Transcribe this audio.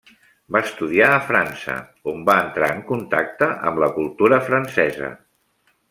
Va estudiar a França, on va entrar en contacte amb la cultura francesa.